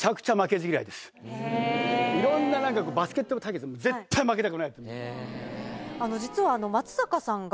いろんなバスケット対決でも絶対負けたくないって。